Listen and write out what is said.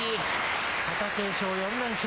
貴景勝４連勝。